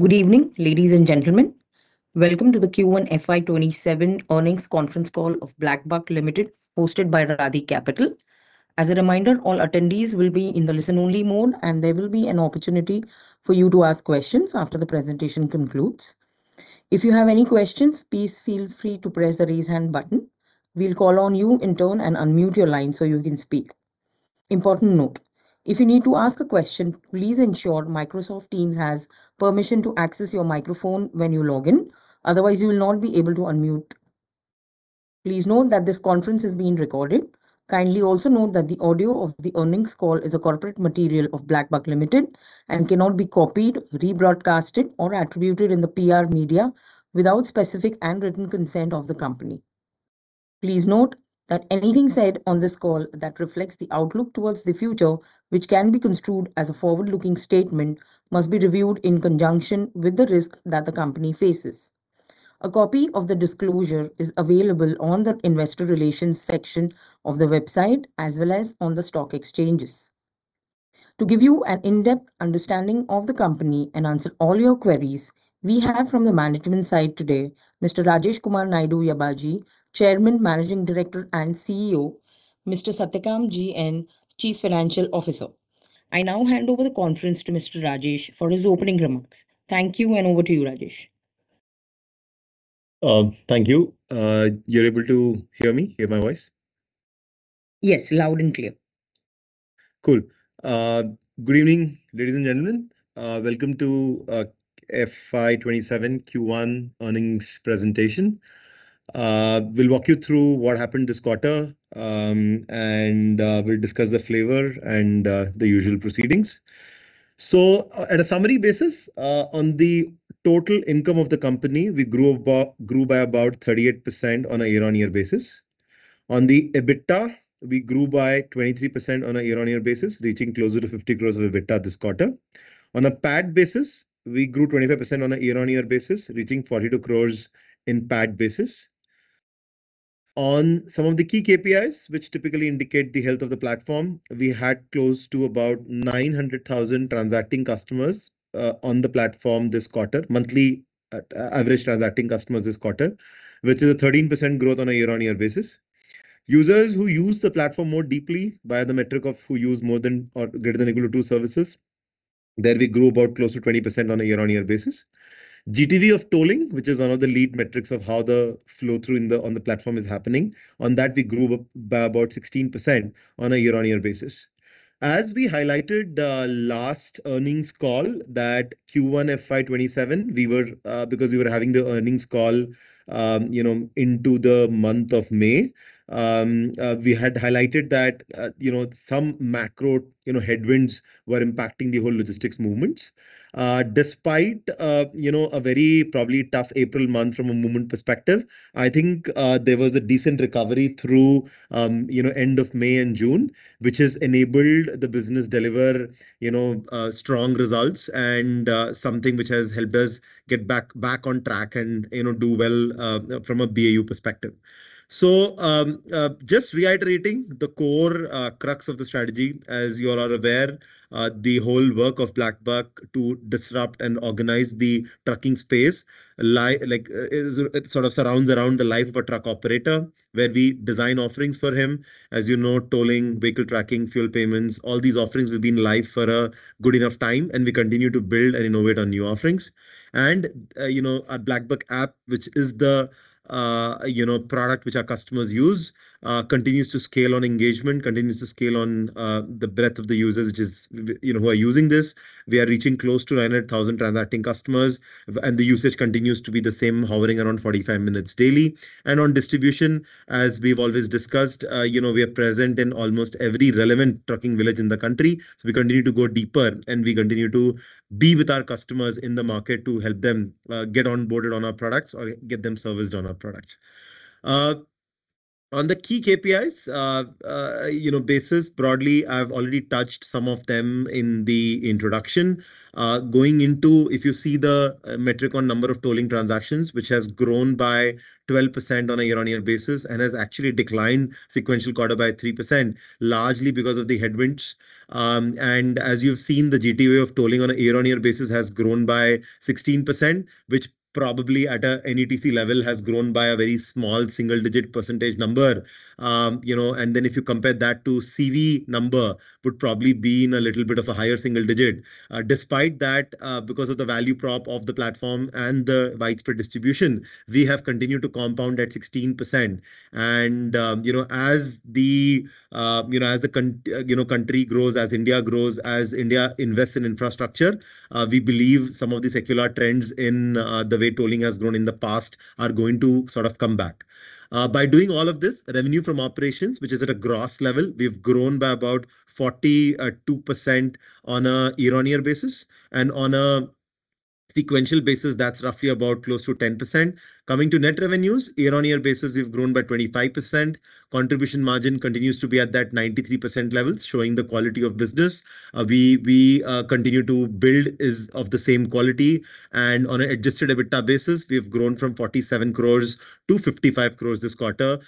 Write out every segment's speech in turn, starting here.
Good evening, ladies and gentlemen. Welcome to the Q1 FY 2027 earnings conference call of BlackBuck Limited, hosted by Raadhi Capital. As a reminder, all attendees will be in the listen-only mode, and there will be an opportunity for you to ask questions after the presentation concludes. If you have any questions, please feel free to press the raise hand button. We'll call on you in turn and unmute your line so you can speak. Important note: If you need to ask a question, please ensure Microsoft Teams has permission to access your microphone when you log in. Otherwise, you will not be able to unmute. Please note that this conference is being recorded. Kindly also note that the audio of the earnings call is a corporate material of BlackBuck Limited and cannot be copied, rebroadcasted or attributed in the PR media without specific and written consent of the company. Please note that anything said on this call that reflects the outlook towards the future, which can be construed as a forward-looking statement, must be reviewed in conjunction with the risk that the company faces. A copy of the disclosure is available on the investor relations section of the website as well as on the stock exchanges. To give you an in-depth understanding of the company and answer all your queries, we have from the management side today, Mr. Rajesh Kumar Naidu Yabaji, Chairman, Managing Director, and CEO, Mr. Satyakam G.N., Chief Financial Officer. I now hand over the conference to Mr. Rajesh for his opening remarks. Thank you, and over to you, Rajesh. Thank you. You're able to hear my voice? Yes, loud and clear. Cool. Good evening, ladies and gentlemen. Welcome to FY 2027 Q1 earnings presentation. We will walk you through what happened this quarter, and we will discuss the flavor and the usual proceedings. At a summary basis, on the total income of the company, we grew by about 38% on a year-on-year basis. On the EBITDA, we grew by 23% on a year-on-year basis, reaching closer to 50 crore of EBITDA this quarter. On a PAT basis, we grew 25% on a year-on-year basis, reaching 42 crore in PAT basis. On some of the key KPIs, which typically indicate the health of the platform, we had close to about 900,000 transacting customers on the platform this quarter. Monthly average transacting customers this quarter, which is a 13% growth on a year-on-year basis. Users who use the platform more deeply by the metric of who use more than or greater than or equal to two services, there we grew about close to 20% on a year-on-year basis. GTV of tolling, which is one of the lead metrics of how the flow-through on the platform is happening. On that, we grew by about 16% on a year-on-year basis. As we highlighted the last earnings call that Q1 FY 2027, because we were having the earnings call into the month of May, we had highlighted that some macro headwinds were impacting the whole logistics movements. Despite a very probably tough April month from a movement perspective, I think there was a decent recovery through end of May and June, which has enabled the business deliver strong results and something which has helped us get back on track and do well from a BAU perspective. Just reiterating the core crux of the strategy. As you all are aware, the whole work of BlackBuck to disrupt and organize the trucking space, it sort of surrounds around the life of a truck operator, where we design offerings for him. As you know, tolling, vehicle tracking, fuel payments, all these offerings have been live for a good enough time, and we continue to build and innovate on new offerings. Our BlackBuck app, which is the product which our customers use, continues to scale on engagement, continues to scale on the breadth of the users who are using this. We are reaching close to 900,000 transacting customers, and the usage continues to be the same, hovering around 45 minutes daily. On distribution, as we have always discussed, we are present in almost every relevant trucking village in the country. We continue to go deeper, and we continue to be with our customers in the market to help them get onboarded on our products or get them serviced on our products. On the key KPIs basis broadly, I have already touched some of them in the introduction. Going into, if you see the metric on number of tolling transactions, which has grown by 12% on a year-on-year basis and has actually declined sequential quarter by 3%, largely because of the headwinds. As you have seen, the GTV of tolling on a year-on-year basis has grown by 16%, which probably at an ETC level has grown by a very small single-digit percentage number. If you compare that to CV number, would probably be in a little bit of a higher single-digit. Despite that, because of the value prop of the platform and the widespread distribution, we have continued to compound at 16%. As the country grows, as India grows, as India invests in infrastructure, we believe some of the secular trends in the way tolling has grown in the past are going to sort of come back. By doing all of this, revenue from operations, which is at a gross level, we've grown by about 42% on a year-on-year basis and on a sequential basis, that's roughly about close to 10%. Coming to net revenues, year-on-year basis, we've grown by 25%. Contribution margin continues to be at that 93% level, showing the quality of business we continue to build is of the same quality. On an adjusted EBITDA basis, we have grown from 47 crore to 55 crore this quarter.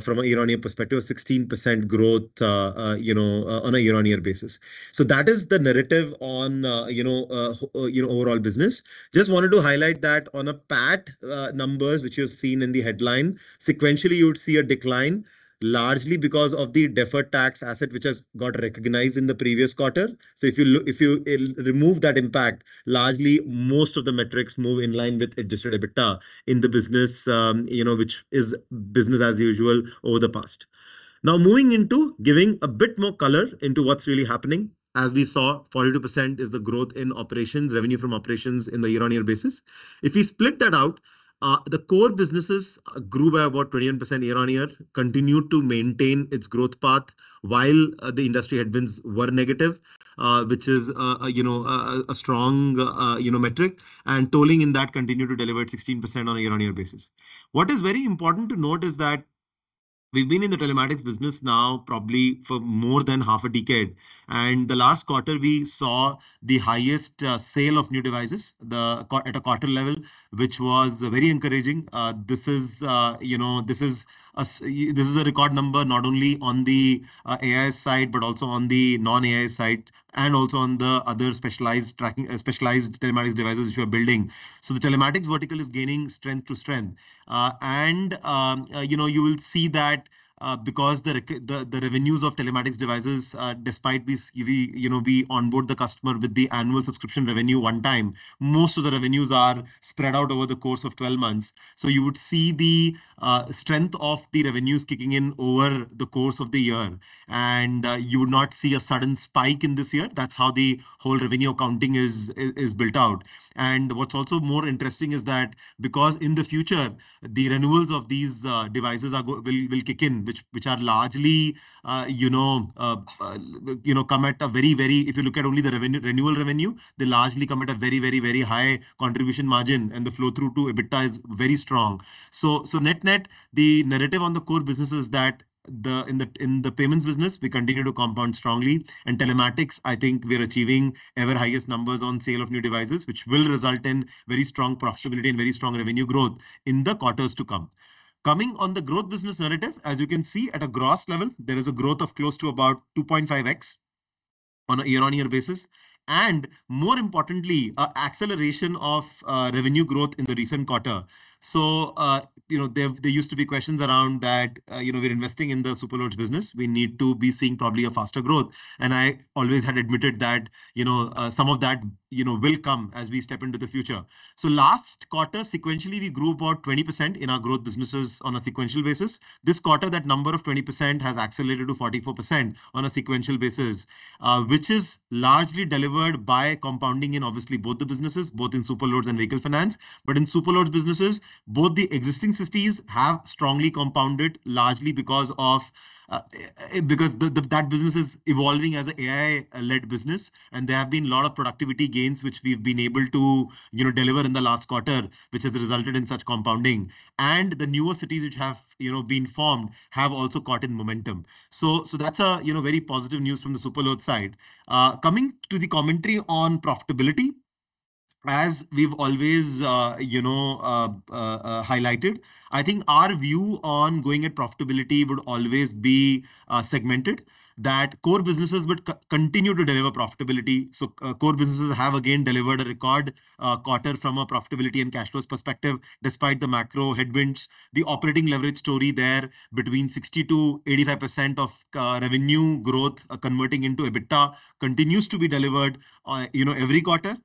From a year-on-year perspective, 16% growth on a year-on-year basis. That is the narrative on overall business. Just wanted to highlight that on a PAT numbers, which you've seen in the headline, sequentially you would see a decline, largely because of the deferred tax asset which has got recognized in the previous quarter. If you remove that impact, largely, most of the metrics move in line with adjusted EBITDA in the business, which is business as usual over the past. Moving into giving a bit more color into what's really happening. As we saw, 42% is the growth in operations, revenue from operations in the year-on-year basis. If we split that out, the core businesses grew by about 28% year-on-year, continued to maintain its growth path while the industry headwinds were negative, which is a strong metric. Tolling in that continued to deliver 16% on a year-on-year basis. What is very important to note is that we've been in the telematics business now probably for more than half a decade, and the last quarter we saw the highest sale of new devices at a quarter level, which was very encouraging. This is a record number, not only on the AI side, but also on the non-AI side, and also on the other specialized telematics devices which we are building. The telematics vertical is gaining strength to strength. You will see that because the revenues of telematics devices, despite we onboard the customer with the annual subscription revenue one time, most of the revenues are spread out over the course of 12 months. You would see the strength of the revenues kicking in over the course of the year, and you would not see a sudden spike in this year. That's how the whole revenue accounting is built out. What's also more interesting is that because in the future, the renewals of these devices will kick in, which if you look at only the renewal revenue, they largely come at a very high contribution margin and the flow through to EBITDA is very strong. Net-net, the narrative on the core business is that in the payments business, we continue to compound strongly. In telematics, I think we're achieving ever highest numbers on sale of new devices, which will result in very strong profitability and very strong revenue growth in the quarters to come. Coming on the growth business narrative, as you can see, at a gross level, there is a growth of close to about 2.5x on a year-on-year basis, more importantly, acceleration of revenue growth in the recent quarter. There used to be questions around that we're investing in the Superloads business, we need to be seeing probably a faster growth. I always had admitted that some of that will come as we step into the future. Last quarter, sequentially, we grew about 20% in our growth businesses on a sequential basis. This quarter, that number of 20% has accelerated to 44% on a sequential basis, which is largely delivered by compounding in obviously both the businesses, both in Superloads and Vehicle Finance. In Superloads businesses, both the existing cities have strongly compounded, largely because that business is evolving as AI-led business, and there have been a lot of productivity gains which we've been able to deliver in the last quarter, which has resulted in such compounding. The newer cities which have been formed have also caught in momentum. That's very positive news from the Superloads side. Coming to the commentary on profitability, as we've always highlighted, I think our view on going at profitability would always be segmented, that core businesses would continue to deliver profitability. Core businesses have again delivered a record quarter from a profitability and cash flows perspective despite the macro headwinds. The operating leverage story there between 60%-85% of revenue growth converting into EBITDA continues to be delivered every quarter.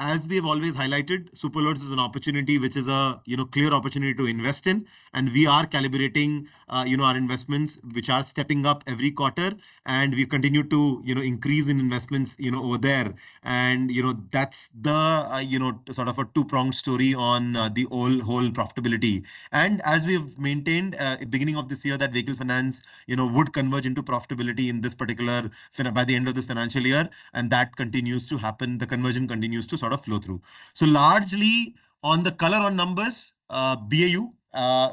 As we've always highlighted, Superloads is an opportunity, which is a clear opportunity to invest in, and we are calibrating our investments, which are stepping up every quarter, and we continue to increase in investments over there. That's the sort of a two-pronged story on the whole profitability. As we've maintained at beginning of this year, that Vehicle Finance would converge into profitability by the end of this financial year, and that continues to happen. The conversion continues to sort of flow through. Largely on the color on numbers, BAU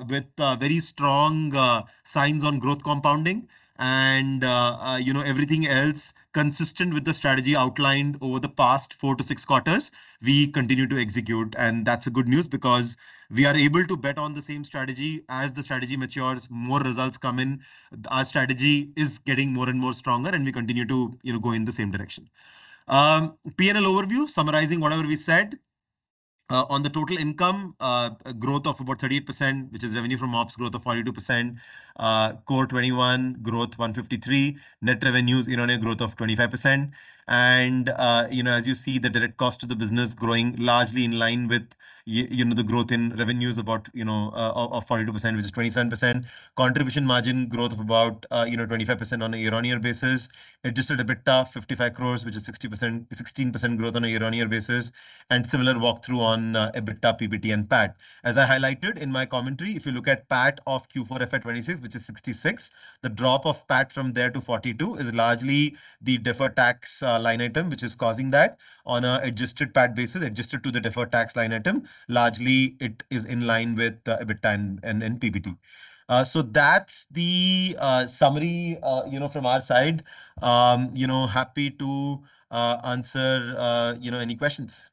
with very strong signs on growth compounding and everything else consistent with the strategy outlined over the past four to six quarters, we continue to execute. That's a good news because we are able to bet on the same strategy. As the strategy matures, more results come in. Our strategy is getting more and more stronger and we continue to go in the same direction. P&L overview, summarizing whatever we said. On the total income, a growth of about 38%, which is revenue from ops growth of 42%, core 21, growth 153, net revenues year-on-year growth of 25%. As you see, the direct cost to the business growing largely in line with the growth in revenues about 42%, which is 27%. Contribution margin growth of about 25% on a year-on-year basis. Adjusted EBITDA, 55 crore, which is 16% growth on a year-on-year basis. Similar walkthrough on EBITDA, PBT and PAT. As I highlighted in my commentary, if you look at PAT of Q4 FY 2026, which is 66, the drop of PAT from there to 42 is largely the deferred tax line item, which is causing that. On an adjusted PAT basis, adjusted to the deferred tax line item, largely it is in line with EBITDA and PBT. That's the summary from our side. Happy to answer any questions.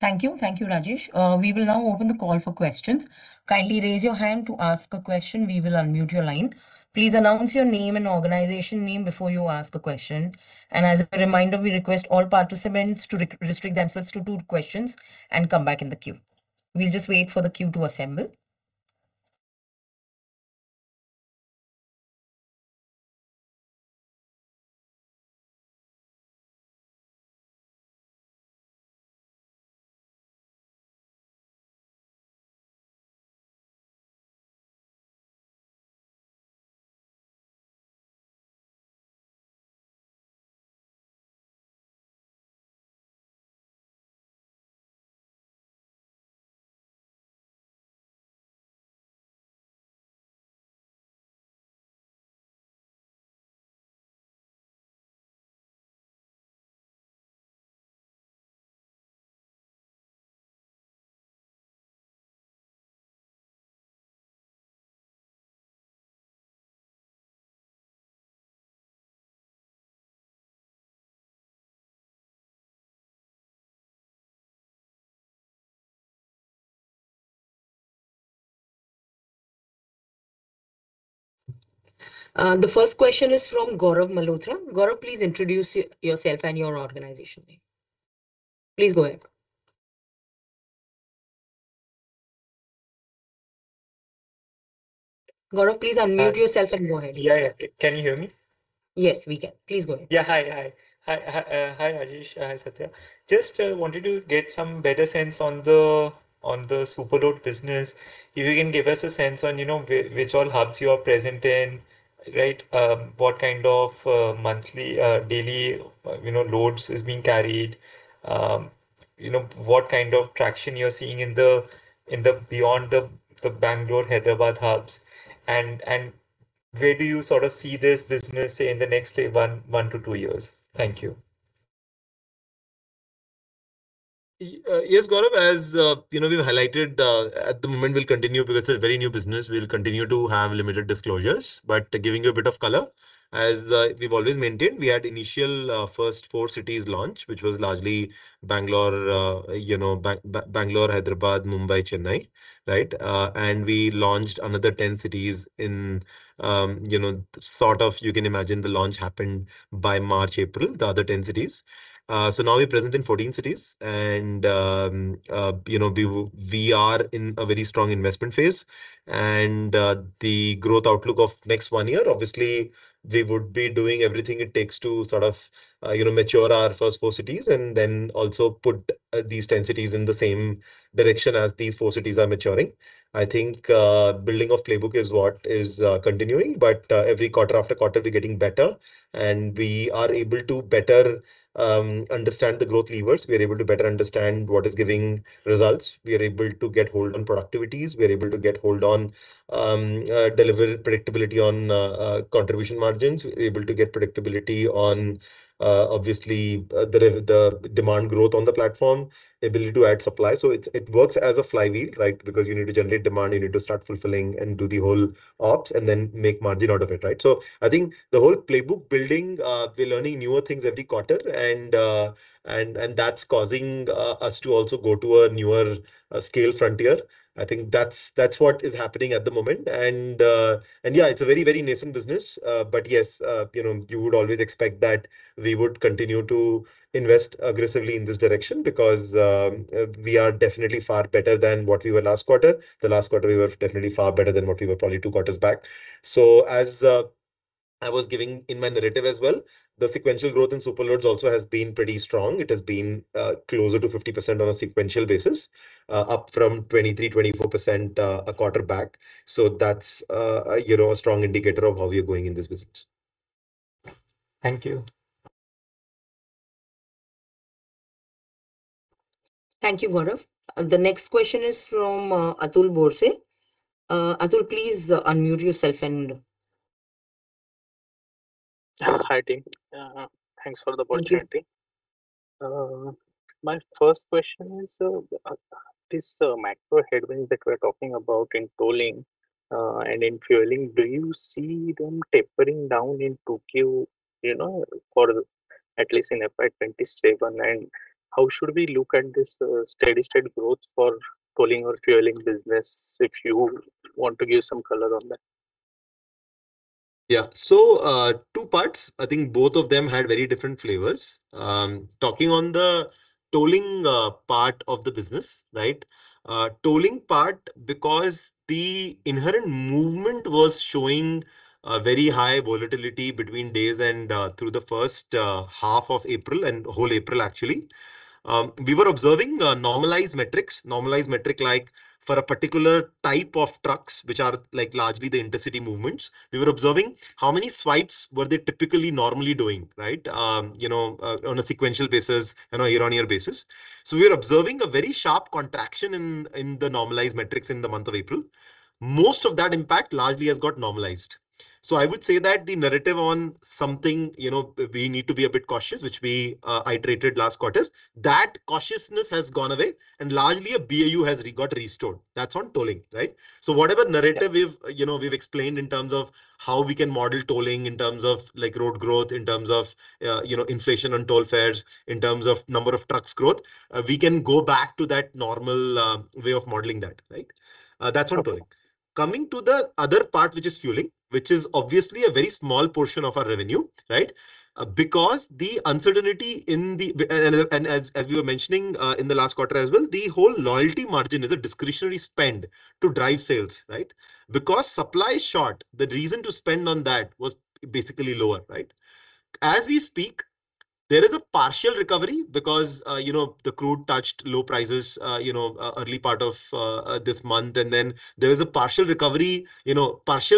Thank you, Rajesh. We will now open the call for questions. Kindly raise your hand to ask a question. We will unmute your line. Please announce your name and organization name before you ask a question. As a reminder, we request all participants to restrict themselves to two questions and come back in the queue. We'll just wait for the queue to assemble. The first question is from Gaurav Malhotra. Gaurav, please introduce yourself and your organization name. Please go ahead. Gaurav, please unmute yourself and go ahead. Yeah. Can you hear me? Yes, we can. Please go ahead. Yeah. Hi, Rajesh. Hi, Satya. Just wanted to get some better sense on the Superloads business. If you can give us a sense on which all hubs you are present in. What kind of monthly, daily loads is being carried. What kind of traction you're seeing beyond the Bangalore, Hyderabad hubs, and where do you sort of see this business in the next one to two years? Thank you. Yes, Gaurav, as you know, we've highlighted at the moment we'll continue because it's a very new business, we'll continue to have limited disclosures, but giving you a bit of color, as we've always maintained, we had initial first four cities launch, which was largely Bangalore, Hyderabad, Mumbai, Chennai. We launched another 10 cities. The launch happened by March, April, the other 10 cities. So now we're present in 14 cities and we are in a very strong investment phase and the growth outlook of next one year, obviously, we would be doing everything it takes to sort of mature our first four cities and then also put these 10 cities in the same direction as these four cities are maturing. I think building of playbook is what is continuing. Every quarter after quarter, we're getting better and we are able to better understand the growth levers. We are able to better understand what is giving results. We are able to get hold on productivities. We are able to get hold on deliver predictability on contribution margins. We're able to get predictability on obviously the demand growth on the platform, ability to add supply. It works as a flywheel, right? Because you need to generate demand, you need to start fulfilling and do the whole ops and then make margin out of it, right? I think the whole playbook building, we're learning newer things every quarter and that's causing us to also go to a newer scale frontier. I think that's what is happening at the moment. Yeah, it's a very nascent business. Yes, you would always expect that we would continue to invest aggressively in this direction because we are definitely far better than what we were last quarter. The last quarter, we were definitely far better than what we were probably two quarters back. As I was giving in my narrative as well, the sequential growth in Superloads also has been pretty strong. It has been closer to 50% on a sequential basis, up from 23%-24% a quarter back. That's a strong indicator of how we are going in this business. Thank you. Thank you, Gaurav. The next question is from Atul Borse. Atul, please unmute yourself and Hi, team. Thanks for the opportunity. My first question is, this macro headwinds that we're talking about in tolling and in fueling, do you see them tapering down in 2Q for at least in FY 2027? How should we look at this steady growth for tolling or fueling business? If you want to give some color on that. Two parts. I think both of them had very different flavors. Talking on the tolling part of the business, right? Tolling part because the inherent movement was showing a very high volatility between days and through the first half of April and whole April, actually. We were observing normalized metrics. Normalized metric like for a particular type of trucks, which are largely the intercity movements. We were observing how many swipes were they typically normally doing, right, on a sequential basis and a year-on-year basis. We are observing a very sharp contraction in the normalized metrics in the month of April. Most of that impact largely has got normalized. I would say that the narrative on something we need to be a bit cautious, which we iterated last quarter, that cautiousness has gone away and largely a BAU has got restored. That's on tolling, right? Whatever narrative we've explained in terms of how we can model tolling in terms of road growth, in terms of inflation on toll fares, in terms of number of trucks growth, we can go back to that normal way of modeling that, right? That's on tolling. Coming to the other part, which is fueling, which is obviously a very small portion of our revenue. As we were mentioning, in the last quarter as well, the whole loyalty margin is a discretionary spend to drive sales. Because supply is short, the reason to spend on that was basically lower. As we speak, there is a partial recovery because the crude touched low prices early part of this month, and then there is a partial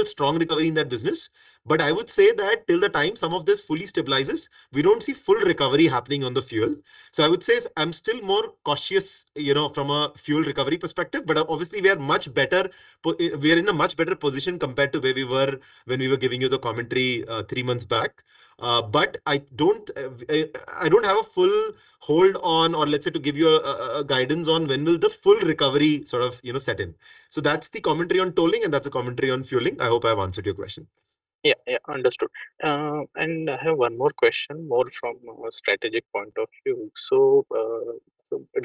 strong recovery in that business. I would say that till the time some of this fully stabilizes, we don't see full recovery happening on the fuel. I would say I'm still more cautious from a fuel recovery perspective, but obviously we are in a much better position compared to where we were when we were giving you the commentary three months back. I don't have a full hold on, or let's say, to give you a guidance on when will the full recovery sort of set in. That's the commentary on tolling and that's the commentary on fueling. I hope I've answered your question. Yeah. Understood. I have one more question, more from a strategic point of view.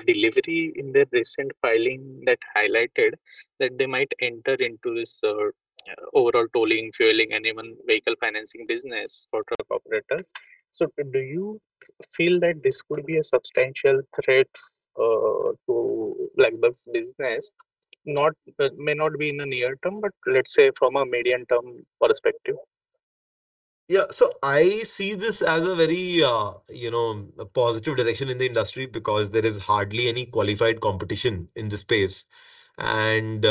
Delhivery in their recent filing that highlighted that they might enter into this overall tolling, fueling, and even Vehicle Finance business for truck operators. Do you feel that this could be a substantial threat to BlackBuck's business? May not be in the near term, but let's say from a medium term perspective. Yeah. I see this as a very positive direction in the industry because there is hardly any qualified competition in the space. There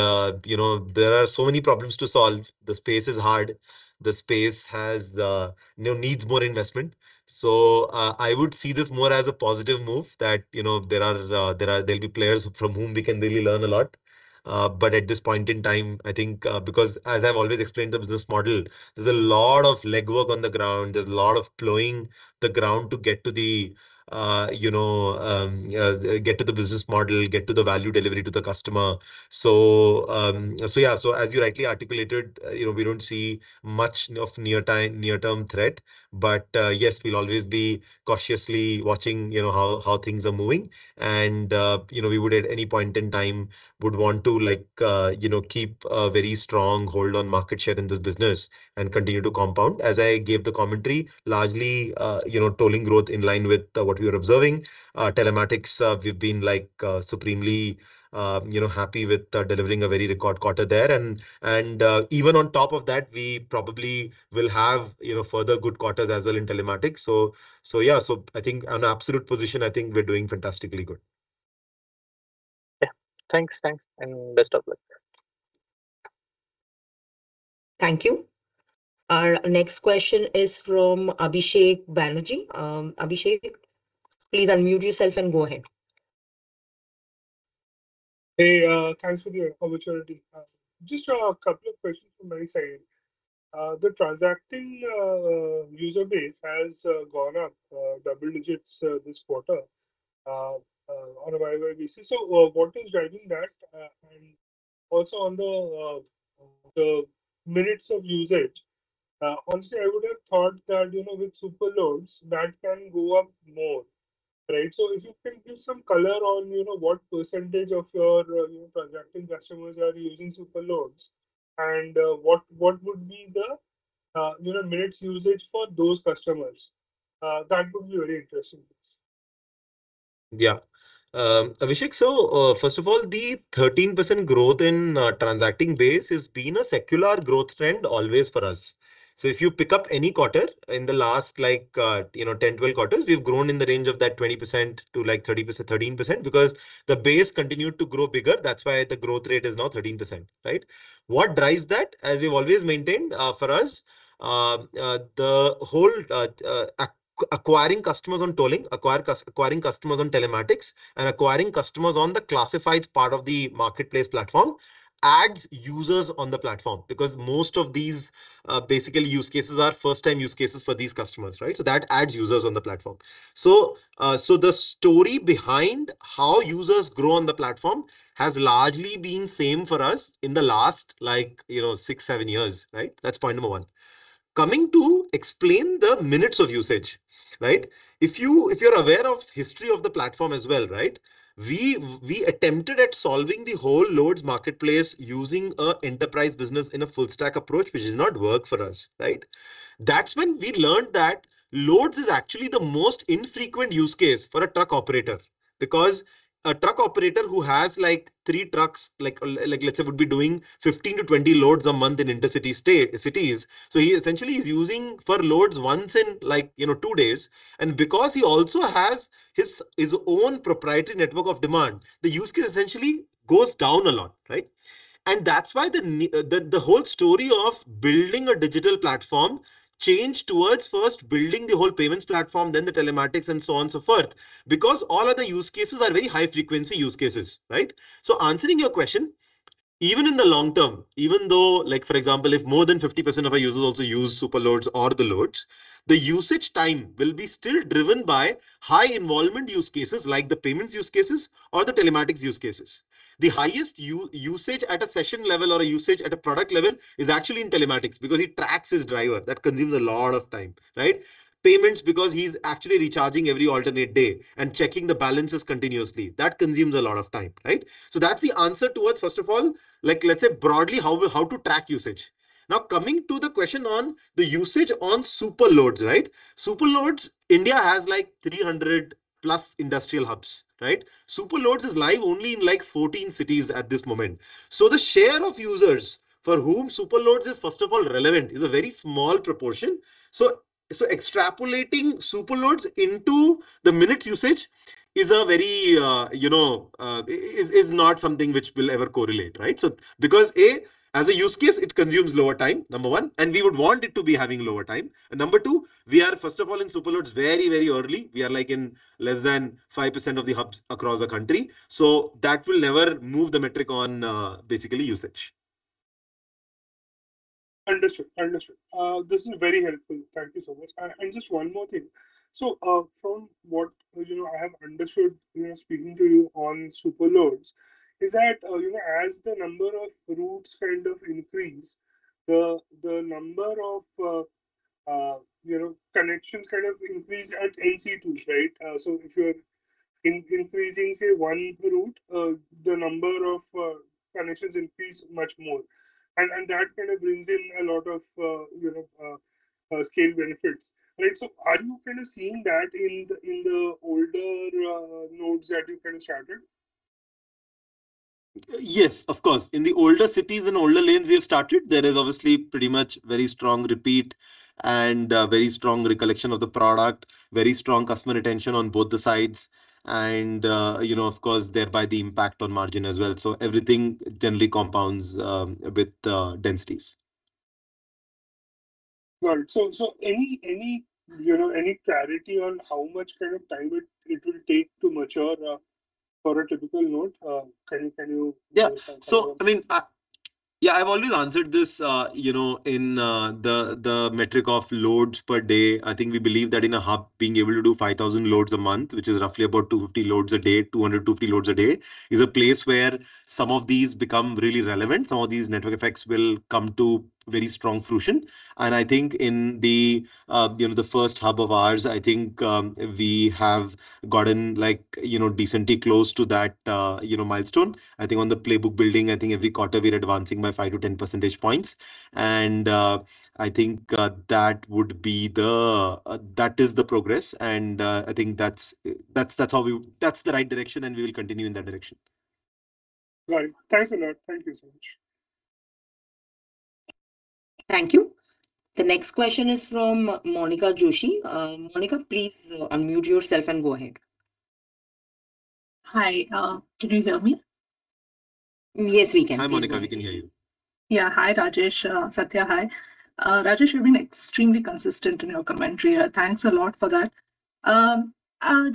are so many problems to solve. The space is hard. The space needs more investment. I would see this more as a positive move that there'll be players from whom we can really learn a lot. At this point in time, I think, because as I've always explained the business model, there's a lot of legwork on the ground. There's a lot of plowing the ground to get to the business model, get to the value delivery to the customer. Yeah, as you rightly articulated, we don't see much of near-term threat, but, yes, we'll always be cautiously watching how things are moving. We would at any point in time would want to keep a very strong hold on market share in this business and continue to compound. As I gave the commentary, largely, tolling growth in line with what we are observing. Telematics, we've been supremely happy with delivering a very record quarter there. Even on top of that, we probably will have further good quarters as well in telematics. I think on absolute position, I think we're doing fantastically good. Yeah. Thanks. Best of luck. Thank you. Our next question is from Abhishek Banerjee. Abhishek, please unmute yourself and go ahead. Hey, thanks for the opportunity. Just a couple of questions from my side. The transacting user base has gone up double-digits this quarter on a year-over-year basis. What is driving that? Also on the minutes of usage, honestly, I would've thought that with Superloads, that can go up more. If you can give some color on what percentage of your transacting customers are using Superloads and what would be the minutes usage for those customers. That would be very interesting. Abhishek, first of all, the 13% growth in transacting base has been a secular growth trend always for us. If you pick up any quarter in the last 10-12 quarters, we've grown in the range of that 20%-13% because the base continued to grow bigger. That's why the growth rate is now 13%. What drives that? As we've always maintained, for us, the whole acquiring customers on tolling, acquiring customers on telematics, and acquiring customers on the classifieds part of the marketplace platform adds users on the platform. Because most of these use cases are first-time use cases for these customers. That adds users on the platform. The story behind how users grow on the platform has largely been same for us in the last six, seven years. That's point number one. Coming to explain the minutes of usage. If you're aware of history of the platform as well, we attempted at solving the whole loads marketplace using an enterprise business in a full stack approach, which did not work for us. That's when we learned that loads is actually the most infrequent use case for a truck operator. Because a truck operator who has three trucks, let's say, would be doing 15-20 loads a month in intercity cities. He essentially is using for loads once in two days. Because he also has his own proprietary network of demand, the use case essentially goes down a lot. That's why the whole story of building a digital platform changed towards first building the whole payments platform, then the telematics, and so on and so forth, because all other use cases are very high frequency use cases. Answering your question Even in the long term, even though, for example, if more than 50% of our users also use Superloads or the loads, the usage time will be still driven by high involvement use cases like the payments use cases or the telematics use cases. The highest usage at a session level or a usage at a product level is actually in telematics because it tracks his driver. That consumes a lot of time. Payments because he's actually recharging every alternate day and checking the balances continuously. That consumes a lot of time. That's the answer towards first of all, let's say broadly how to track usage. Now, coming to the question on the usage on Superloads. Superloads, India has 300+ industrial hubs. Superloads is live only in 14 cities at this moment. The share of users for whom Superloads is first of all relevant is a very small proportion. Extrapolating Superloads into the minutes usage is not something which will ever correlate, right? Because, A, as a use case, it consumes lower time, number one, and we would want it to be having lower time. Number two, we are first of all in Superloads very early. We are in less than 5% of the hubs across the country. That will never move the metric on basically usage. Understood. This is very helpful. Thank you so much. Just one more thing. From what I have understood speaking to you on Superloads is that, as the number of routes increase, the number of connections increase at AC2, right? If you're increasing, say, one route, the number of connections increase much more. That brings in a lot of scale benefits, right? Are you seeing that in the older nodes that you started? Yes, of course. In the older cities and older lanes we have started, there is obviously pretty much very strong repeat and very strong recollection of the product, very strong customer retention on both the sides and of course thereby the impact on margin as well. Everything generally compounds with densities. Got it. Any clarity on how much time it will take to mature for a typical node? Yeah. I've always answered this, in the metric of loads per day, I think we believe that in a hub being able to do 5,000 loads a month, which is roughly about 250 loads a day, 200, 250 loads a day, is a place where some of these become really relevant. Some of these network effects will come to very strong fruition. I think in the first hub of ours, I think we have gotten decently close to that milestone. I think on the playbook building, I think every quarter we're advancing by 5-10 percentage points. I think that is the progress, and I think that's the right direction and we will continue in that direction. Right. Thanks a lot. Thank you so much. Thank you. The next question is from Monica Joshi. Monica, please unmute yourself and go ahead. Hi. Can you hear me? Yes, we can. Hi, Monica. We can hear you. Hi, Rajesh. Satya, hi. Rajesh, you've been extremely consistent in your commentary. Thanks a lot for that.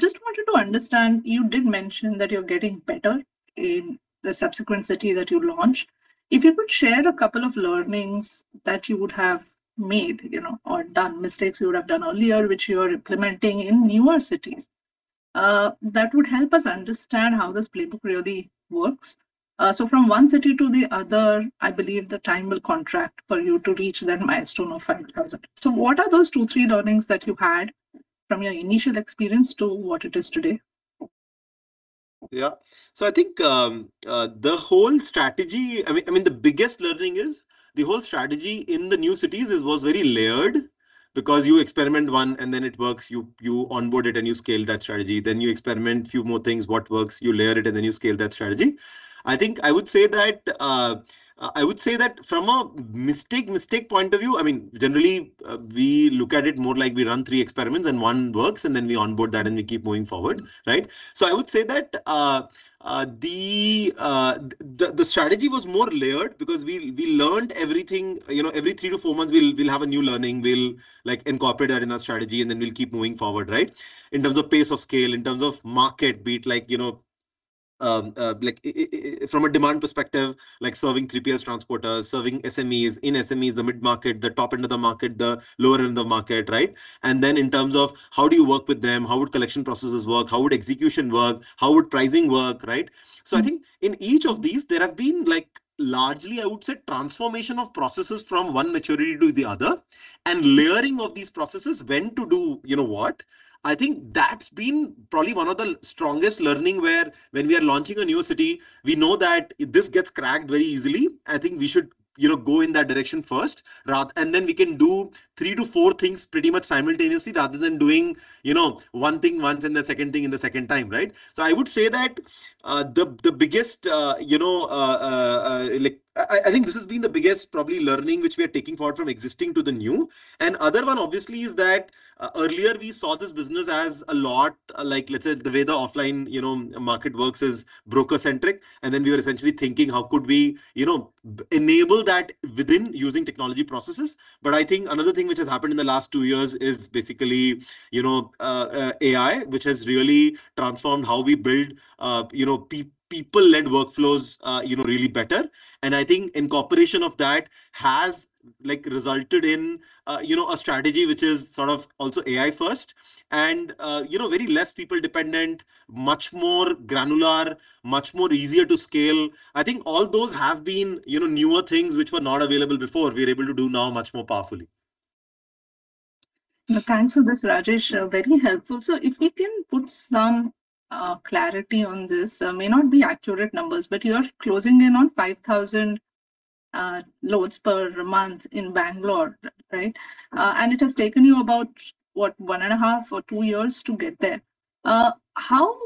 Just wanted to understand, you did mention that you're getting better in the subsequent city that you launched. If you could share a couple of learnings that you would have made or mistakes you would have done earlier, which you are implementing in newer cities, that would help us understand how this playbook really works. From one city to the other, I believe the time will contract for you to reach that milestone of 5,000. What are those two, three learnings that you had from your initial experience to what it is today? I think the biggest learning is the whole strategy in the new cities was very layered because you experiment one and then it works, you onboard it and you scale that strategy. Then you experiment few more things, what works, you layer it, and then you scale that strategy. I think I would say that from a mistake point of view, generally, we look at it more like we run three experiments and one works, and then we onboard that and we keep moving forward, right? I would say that the strategy was more layered because we learned everything. Every three to four months, we'll have a new learning. We'll incorporate that in our strategy, and then we'll keep moving forward, right? In terms of pace, of scale, in terms of market, be it from a demand perspective, like serving 3PL transporters, serving SMEs, in SMEs, the mid-market, the top end of the market, the lower end of the market, right? Then in terms of how do you work with them, how would collection processes work, how would execution work, how would pricing work, right? I think in each of these, there have been largely, I would say, transformation of processes from one maturity to the other and layering of these processes, when to do what. I think that's been probably one of the strongest learning where when we are launching a new city, we know that this gets cracked very easily. I think we should go in that direction first, then we can do three to four things pretty much simultaneously rather than doing one thing once and the second thing in the second time, right? I would say that I think this has been the biggest probably learning which we are taking forward from existing to the new. Other one obviously is that earlier we saw this business as a lot like, let's say, the way the offline market works is broker-centric, then we were essentially thinking how could we enable that within using technology processes. I think another thing which has happened in the last two years is basically AI, which has really transformed how we build people-led workflows really better. I think incorporation of that has resulted in a strategy which is sort of also AI first and very less people dependent, much more granular, much more easier to scale. I think all those have been newer things which were not available before, we are able to do now much more powerfully. Thanks for this, Rajesh. Very helpful. If we can put some clarity on this. May not be accurate numbers, but you are closing in on 5,000 loads per month in Bangalore, right? It has taken you about, what, one and a half or two years to get there. How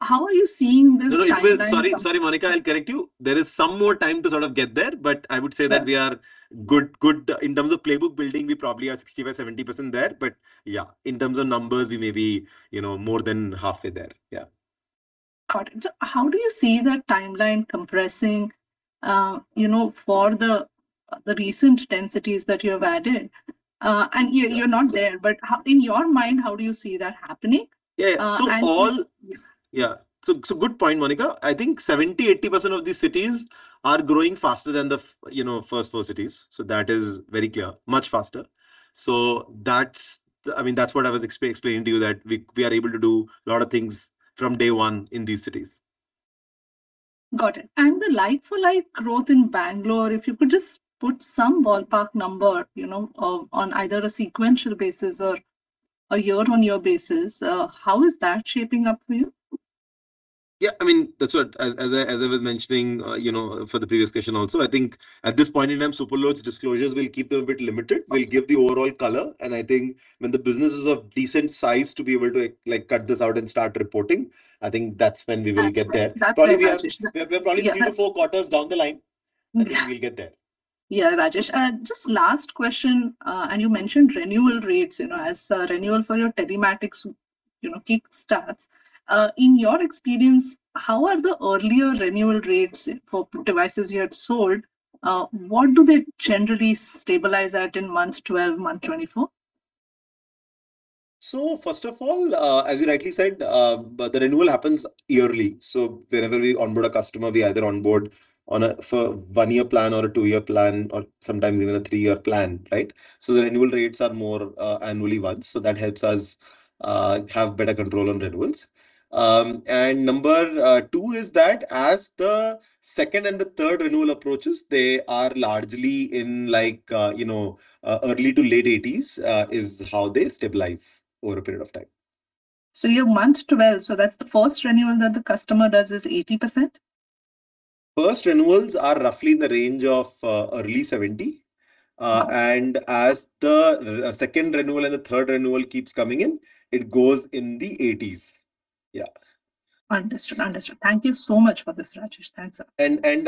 are you seeing this timeline? Monica, I'll correct you. There is some more time to sort of get there, but I would say that we are good. In terms of playbook building, we probably are 65%-70% there, but yeah, in terms of numbers, we may be more than halfway there. Yeah. Got it. How do you see that timeline compressing for the recent densities that you have added? You're not there, but in your mind, how do you see that happening? Yeah. And- Good point, Monica. I think 70%-80% of these cities are growing faster than the first four cities. That is very clear. Much faster. That's what I was explaining to you, that we are able to do a lot of things from day one in these cities. Got it. The like for like growth in Bangalore, if you could just put some ballpark number on either a sequential basis or a year-on-year basis, how is that shaping up for you? Yeah, that's what, as I was mentioning, for the previous question also, I think at this point in time, Superloads disclosures will keep a bit limited. We'll give the overall color, I think when the business is of decent size to be able to cut this out and start reporting, I think that's when we will get there. That's when. That's when, Rajesh. Yeah. Probably three to four quarters down the line. Yeah I think we'll get there. Yeah, Rajesh. Just last question, you mentioned renewal rates. As renewal for your telematics kick starts, in your experience, how are the earlier renewal rates for devices you had sold, what do they generally stabilize at in months 12, month 24? First of all, as you rightly said, the renewal happens yearly. Wherever we onboard a customer, we either onboard for a one-year plan or a two-year plan, or sometimes even a three-year plan, right? The renewal rates are more annually once, so that helps us have better control on renewals. Number two is that as the second and the third renewal approaches, they are largely in early to late 80s, is how they stabilize over a period of time. Your month 12, so that's the first renewal that the customer does is 80%? First renewals are roughly in the range of early 70. As the second renewal and the third renewal keeps coming in, it goes in the 80s. Yeah. Understood. Thank you so much for this, Rajesh. Thanks.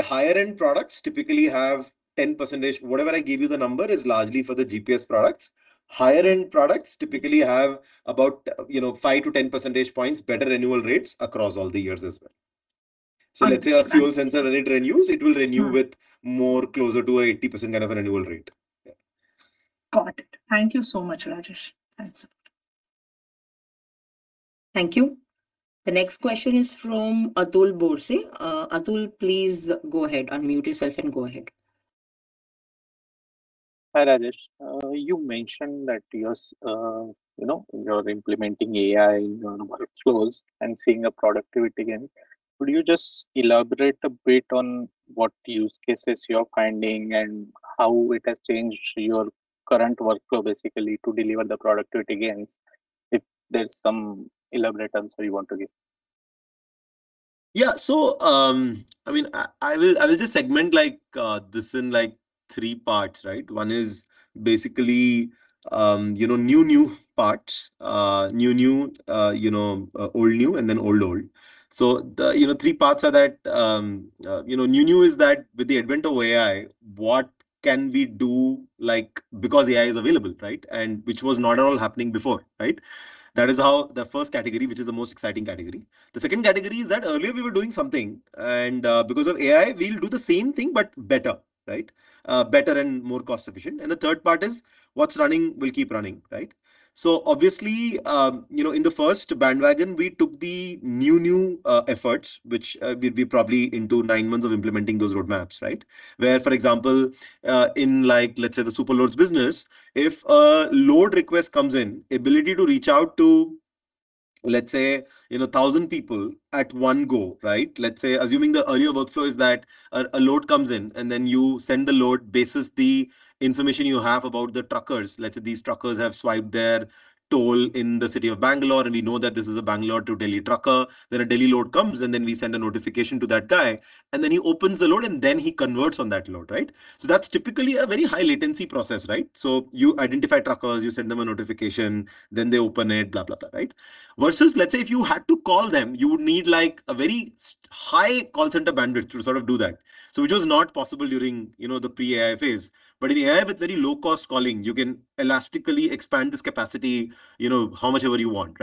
Higher-end products typically have 10%. Whatever I give you the number is largely for the GPS products. Higher-end products typically have about 5-10 percentage points better renewal rates across all the years as well. Understood. Let's say our fuel sensor, when it renews, it will renew with more closer to 80% kind of a renewal rate. Yeah. Got it. Thank you so much, Rajesh. Thanks. Thank you. The next question is from Atul Borse. Atul, please go ahead, unmute yourself, and go ahead. Hi, Rajesh. You mentioned that you're implementing AI workflows and seeing a productivity gain. Could you just elaborate a bit on what use cases you're finding and how it has changed your current workflow basically to deliver the productivity gains? If there's some elaborate answer you want to give. I will just segment this in three parts. One is basically new new parts. Old new and then old old. The three parts are that, new new is that with the advent of AI, what can we do? Because AI is available. Which was not at all happening before. That is how the first category, which is the most exciting category. The second category is that earlier we were doing something, and because of AI, we'll do the same thing, but better. Better and more cost efficient. The third part is what's running will keep running. Obviously, in the first bandwagon, we took the new new efforts, which we'll be probably into nine months of implementing those roadmaps. Where, for example, in let's say the Superloads business, if a load request comes in, ability to reach out to, let's say, 1,000 people at one go. Let's say assuming the earlier workflow is that a load comes in, and then you send the load, based on the information you have about the truckers. Let's say these truckers have swiped their toll in the city of Bangalore, and we know that this is a Bangalore to Delhi trucker. A Delhi load comes, and then we send a notification to that guy, and then he opens the load, and then he converts on that load. That's typically a very high latency process. You identify truckers, you send them a notification, then they open it. Versus let's say if you had to call them, you would need a very high call center bandwidth to sort of do that. Which was not possible during the pre-AI phase. In AI, with very low cost calling, you can elastically expand this capacity how much ever you want.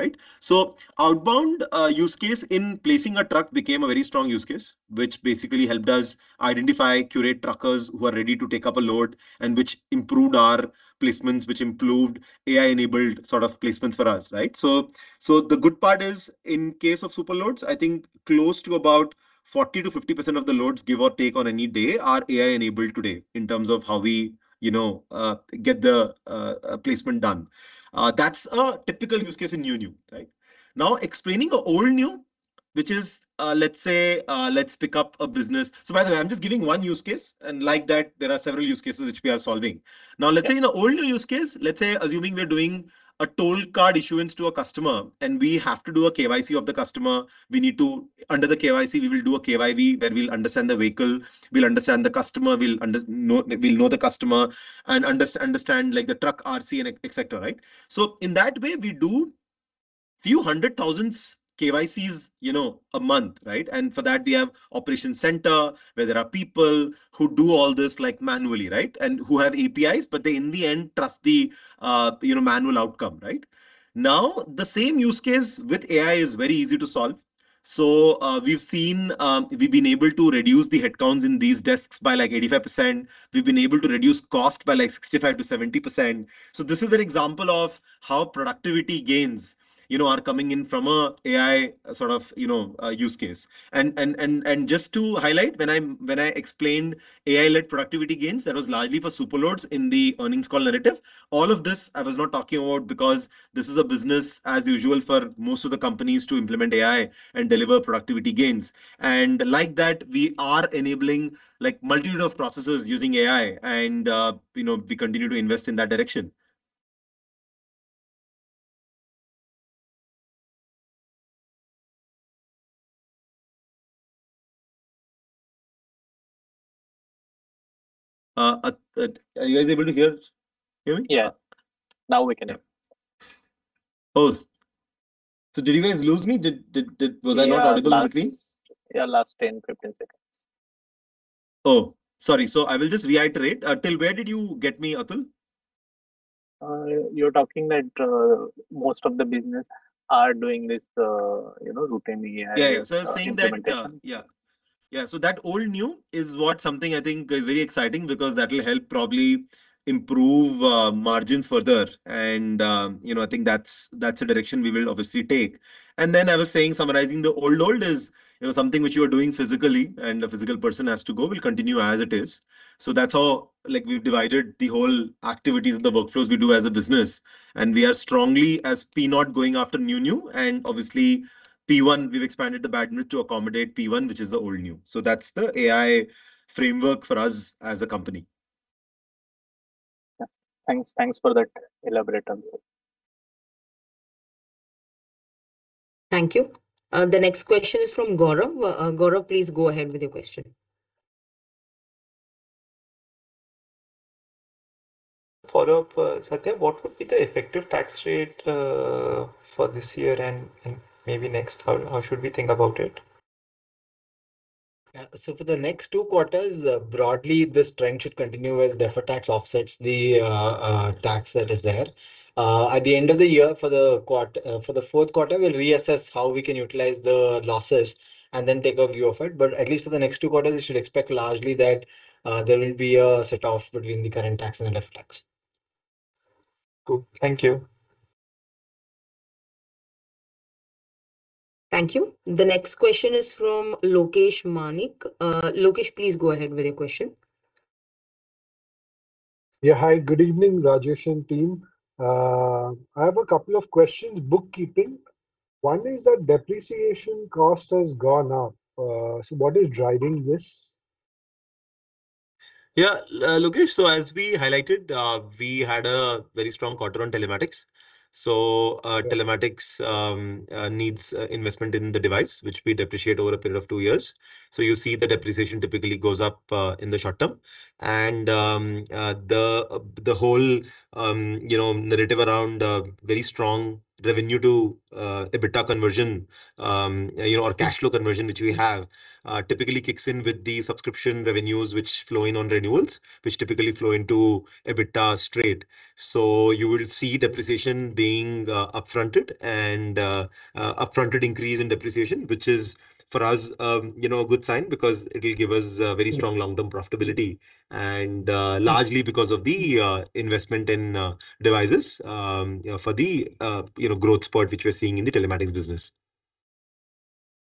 Outbound use case in placing a truck became a very strong use case, which basically helped us identify, curate truckers who are ready to take up a load, and which improved our placements, which improved AI-enabled sort of placements for us, right? The good part is in case of Superloads, I think close to about 40%-50% of the loads, give or take on any day are AI-enabled today in terms of how we get the placement done. That's a typical use case in new-new, right? Explaining an old-new, which is, let's say, let's pick up a business. By the way, I'm just giving one use case and like that, there are several use cases which we are solving. Let's say in an old-new use case, let's say assuming we are doing a toll card issuance to a customer, and we have to do a KYC of the customer. Under the KYC, we will do a KYV, where we'll understand the vehicle, we'll understand the customer, we'll know the customer, and understand the truck RC, etc. In that way, we do few hundred thousand KYCs a month, right? For that, we have operation center where there are people who do all this manually, and who have APIs, but they in the end, trust the manual outcome. The same use case with AI is very easy to solve. We've been able to reduce the headcounts in these desks by 85%. We've been able to reduce cost by 65%-70%. This is an example of how productivity gains are coming in from AI use case. Just to highlight, when I explained AI-led productivity gains, that was largely for Superloads in the earnings call narrative. All of this I was not talking about because this is a business as usual for most of the companies to implement AI and deliver productivity gains. Like that we are enabling multitude of processes using AI and we continue to invest in that direction. Are you guys able to hear me? Yeah. We can hear. Yeah. Pause. Did you guys lose me? Was I not audible in between? Yeah, last 10-15 seconds. Oh, sorry. I will just reiterate. Till where did you get me, Atul? You're talking that most of the business are doing this routine AI implementation. That old-new is what something I think is very exciting because that will help probably improve margins further. I think that's a direction we will obviously take. I was saying summarizing the old-old is something which you are doing physically, and a physical person has to go, will continue as it is. That's all. We've divided the whole activities and the workflows we do as a business, and we are strongly as P0 going after new-new and obviously P1, we've expanded the bandwidth to accommodate P1, which is the old-new. That's the AI framework for us as a company. Thanks for that elaborate answer. Thank you. The next question is from Gaurav. Gaurav, please go ahead with your question. Follow up, Satya, what would be the effective tax rate for this year and maybe next? How should we think about it? For the next two quarters, broadly this trend should continue with deferred tax offsets the tax that is there. At the end of the year for the fourth quarter, we'll reassess how we can utilize the losses and then take a view of it. At least for the next two quarters, you should expect largely that there will be a set off between the current tax and the deferred tax. Cool. Thank you. Thank you. The next question is from Lokesh Manik. Lokesh, please go ahead with your question. Hi, good evening, Rajesh and team. I have a couple of questions. Bookkeeping. One is that depreciation cost has gone up. What is driving this? Lokesh. As we highlighted, we had a very strong quarter on telematics. Telematics needs investment in the device, which we depreciate over a period of two years. You see the depreciation typically goes up in the short term. The whole narrative around very strong revenue to EBITDA conversion or cash flow conversion, which we have, typically kicks in with the subscription revenues which flow in on renewals, which typically flow into EBITDA straight. You will see depreciation being up-fronted and up-fronted increase in depreciation, which is for us a good sign because it will give us a very strong long-term profitability, and largely because of the investment in devices for the growth spot which we're seeing in the telematics business.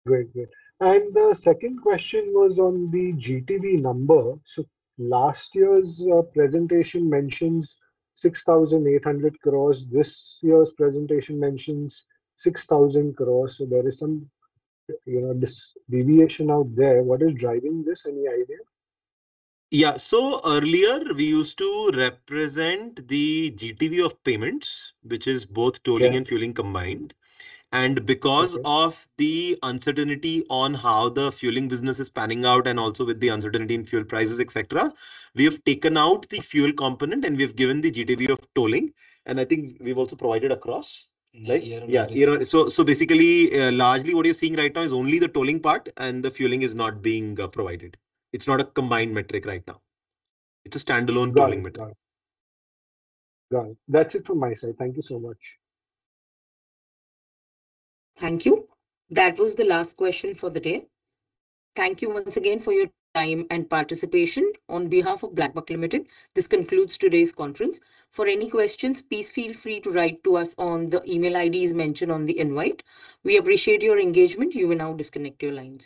Great. The second question was on the GTV number. Last year's presentation mentions 6,800 crore. This year's presentation mentions 6,000 crore. There is some deviation out there. What is driving this? Any idea? Yeah. Earlier we used to represent the GTV of payments, which is both tolling and fueling combined. Because of the uncertainty on how the fueling business is panning out and also with the uncertainty in fuel prices, etc., we have taken out the fuel component and we have given the GTV of tolling, and I think we've also provided across, right? Yeah. Yeah. Basically, largely what you're seeing right now is only the tolling part and the fueling is not being provided. It's not a combined metric right now. It's a standalone tolling metric. Got it. That's it from my side. Thank you so much. Thank you. That was the last question for the day. Thank you once again for your time and participation. On behalf of BlackBuck Limited, this concludes today's conference. For any questions, please feel free to write to us on the email ID as mentioned on the invite. We appreciate your engagement. You may now disconnect your lines.